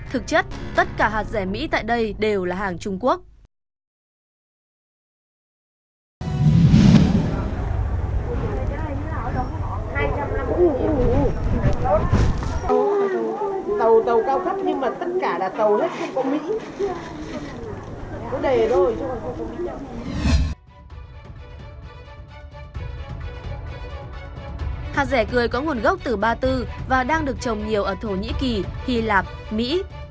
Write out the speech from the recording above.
hạt rẻ cười có nguồn gốc từ ba tư và đang được trồng nhiều ở thổ nhĩ kỳ hy lạp mỹ